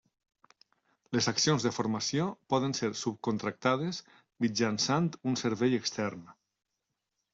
Les accions de formació poden ser subcontractades mitjançant un servei extern.